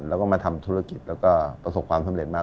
แล้วก็มาทำธุรกิจแล้วก็ประสบความสำเร็จมา